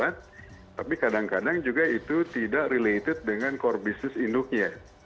tapi kadang kadang juga itu tidak related dengan core business induknya